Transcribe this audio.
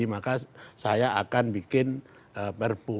maka saya akan bikin perpu